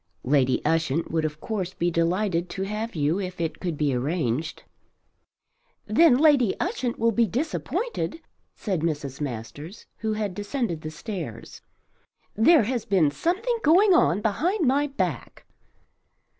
"Lady Ushant would of course be delighted to have you if it could be arranged." "Then Lady Ushant will be disappointed," said Mrs. Masters who had descended the stairs. "There has been something going on behind my back."